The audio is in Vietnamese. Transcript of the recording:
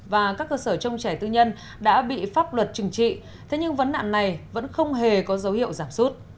và các cơ sở trông trẻ tư nhân đã bị pháp luật trừng trị thế nhưng vấn nạn này vẫn không hề có dấu hiệu giảm sút